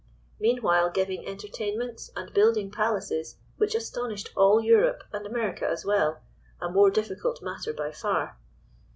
Meanwhile giving entertainments, and building palaces, which astonished all Europe, and America as well—a more difficult matter by far.